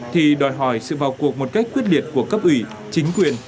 thì đòi hỏi sự vào cuộc một cách quyết liệt của cấp ủy chính quyền